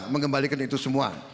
mengembalikan itu semua